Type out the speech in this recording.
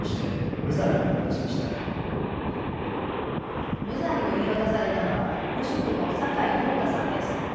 無罪を言い渡されたのは無職の酒井亮太さんです。